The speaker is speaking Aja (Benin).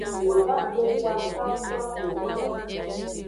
Miva xoxu akafu axweto.